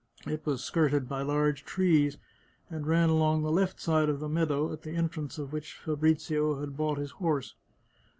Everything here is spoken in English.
It was skirted by large trees, and ran along the left side of the meadow at the entrance of which Fabrizio had bought his horse.